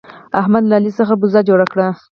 احمد له علي څخه بزه جوړه کړه.